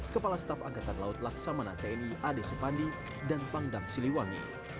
kepala staf angkatan laut laksamana tni ade supandi dan pangdam siliwangi